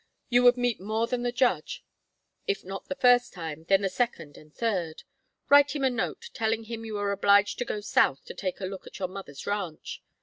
You would meet more than the judge; if not the first time, then the second and third. Write him a note, telling him you are obliged to go south to take a look at your mother's ranch.